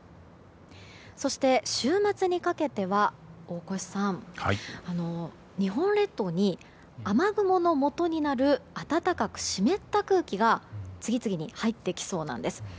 そして、週末にかけては大越さん日本列島に雨雲のもとになる暖かく湿った空気が次々に入ってきそうなんです。